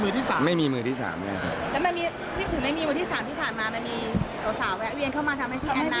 และที่ถึงไม่มีมือที่๓ที่ผ่านมามันมีเกาะสาวแหวะเวียนเข้ามาทำให้พี่แอนนา